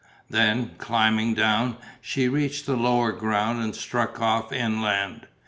Then, climbing down, she reached the lower ground and struck off inland.